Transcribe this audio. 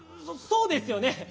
そうですよね！